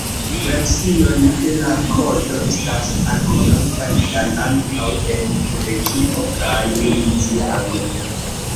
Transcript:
Versioj de la Kodo estas ankoraŭ validaj ankaŭ en Kebekio kaj Luiziano.